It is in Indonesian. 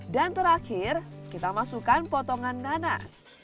dan terakhir kita masukkan potongan nanas